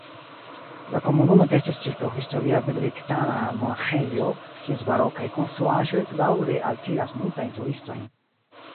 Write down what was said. La komunumo ekestis ĉirkaŭ historia benediktana monaĥejo, kies barokaj konstruaĵoj daŭre altiras multajn turistojn.